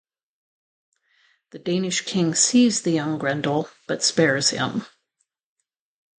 The Danish king sees the young Grendel, but spares him.